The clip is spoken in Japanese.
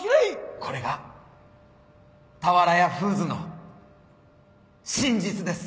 これが俵屋フーズの真実です。